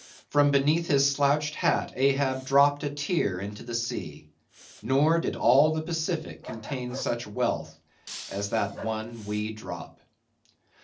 From beneath his slouched hat Ahab dropped a tear into the sea; nor did all the Pacific contain such wealth as that one wee drop.